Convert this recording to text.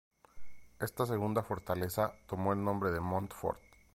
Esta segunda fortaleza tomó el nombre de Montfort.